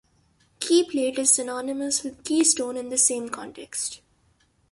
Key plate is synonymous with "keystone" in the same context.